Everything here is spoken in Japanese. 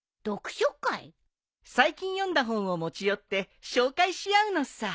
最近読んだ本を持ち寄って紹介し合うのさ。